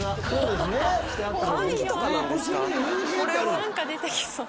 何か出てきそう。